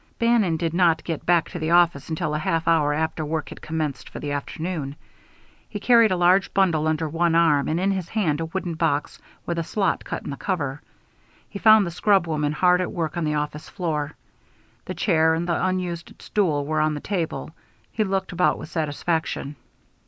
Bannon did not get back to the office until a half hour after work had commenced for the afternoon. He carried a large bundle under one arm and in his hand a wooden box with a slot cut in the cover. He found the scrub woman hard at work on the office floor. The chair and the unused stool were on the table. He looked about with satisfaction.